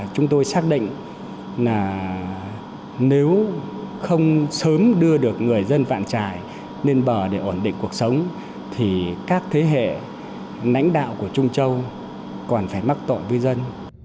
chúng tôi xác định là nếu không sớm đưa được người dân vạn trài lên bờ để ổn định cuộc sống thì các thế hệ nãnh đạo của trung châu còn phải mắc tội với dân